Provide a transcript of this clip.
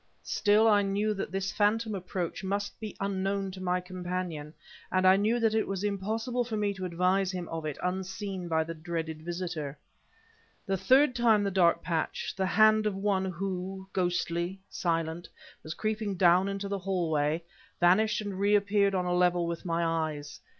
Still I knew that this phantom approach must be unknown to my companion and I knew that it was impossible for me to advise him of it unseen by the dreaded visitor. A third time the dark patch the hand of one who, ghostly, silent, was creeping down into the hallway vanished and reappeared on a level with my eyes.